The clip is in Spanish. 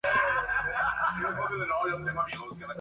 Los partidos se disputan en las ciudades de Montevideo y Colonia.